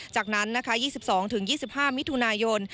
จากนั้นนะคะ๒๒๒๕มิถุนายน